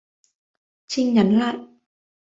Chinh nhắn lại